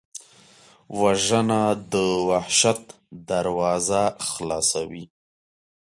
وژنه د وحشت دروازه خلاصوي